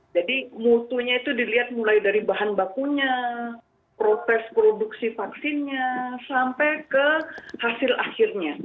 jadi mutunya itu dilihat mulai dari bahan bakunya proses produksi vaksinnya sampai ke hasil akhirnya